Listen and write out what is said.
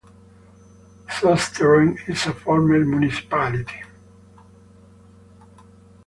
Susteren is a former municipality.